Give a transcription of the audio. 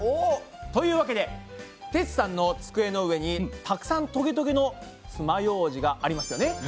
というわけでテツさんの机の上にたくさんトゲトゲのつまようじがありますよね。